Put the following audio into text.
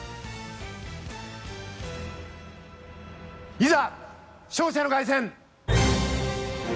いざ勝者の凱旋！